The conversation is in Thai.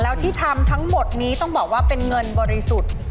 แล้วที่ทำทั้งหมดนี้ต้องบอกว่าเป็นเงินบริสุทธิ์